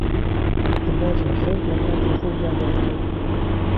عومەر ڕێک لە کاتی خۆیدا دەرکەوت.